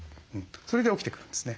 それで起きてくるんですね。